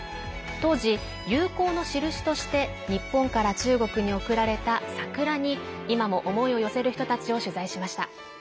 当時、友好のしるしとして日本から中国に贈られた桜に今も思いを寄せる人たちを取材しました。